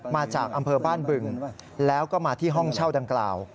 มาจากอำเภอบ้านบึงแล้วก็มาที่ห้องเช่าดังกล่าว